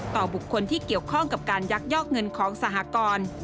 บุคคลที่เกี่ยวข้องกับการยักยอกเงินของสหกร